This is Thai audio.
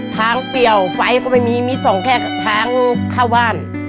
ทางเปรียวไฟล์ก็ไม่มีมี๒แค่ทางเข้าบ้าน